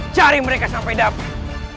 cari mereka sampai dapat